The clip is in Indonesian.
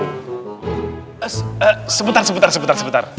eh eh sebentar sebentar sebentar